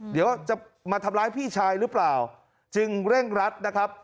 เดี๋ยวจะมาทำร้ายพี่ชายหรือเปล่าจึงเร่งรัดนะครับ